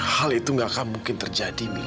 hal itu tidak akan mungkin terjadi mila